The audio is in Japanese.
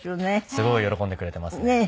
すごい喜んでくれてますね。